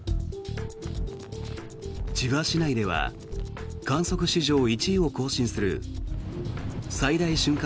千葉市内では観測史上１位を更新する最大瞬間